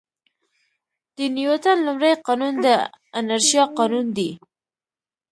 د نیوټن لومړی قانون د انرشیا قانون دی.